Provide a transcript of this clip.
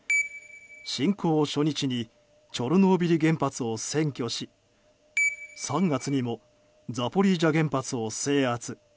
侵攻初日にチョルノービリ原発を占拠し、３月にもザポリージャ原発を制圧。